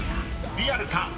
リアルか？